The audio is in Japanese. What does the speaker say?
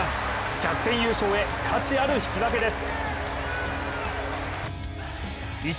逆転優勝へ価値ある引き分けです。